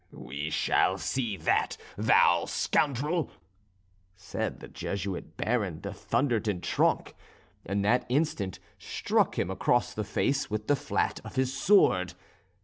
"We shall see that, thou scoundrel!" said the Jesuit Baron de Thunder ten Tronckh, and that instant struck him across the face with the flat of his sword.